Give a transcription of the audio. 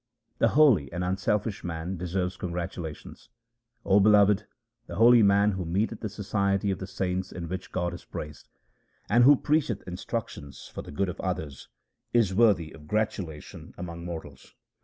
The holy and unselfish man deserves congratula tions :— O beloved, the holy man who meeteth the society of the saints in which God is praised, And who preacheth instruction for the good of others, is worthy of gratulation among mortals.